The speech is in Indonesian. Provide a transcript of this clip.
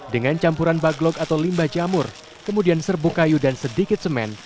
dengan campuran baglok atau limbah jamur kemudian serbu kayu dan sedikit semen